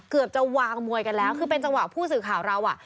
เกือบจะวางมวยกันแล้วคือเป็นจังหวะผู้สื่อข่าวเราอ่ะ